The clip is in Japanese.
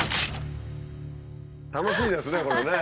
楽しいですねこれね。